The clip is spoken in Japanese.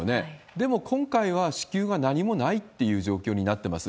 でも今回は支給が何もないっていう状況になってます。